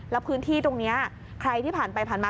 แล้วพื้นที่ตรงนี้ใครที่ผ่านไปผ่านมา